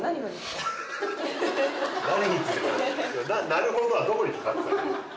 「なるほど」はどこにかかってたの？